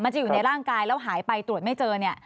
จะอยู่ในร่างกายแล้วหายไปตรวจไม่เจอเนี่ย